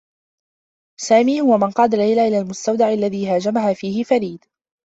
سامي هو من قاد ليلى إلى المستودع الذي هاجمها فيه فريد.